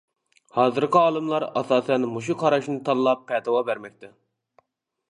ھازىرقى ئالىملار ئاساسەن مۇشۇ قاراشنى تاللاپ پەتىۋا بەرمەكتە.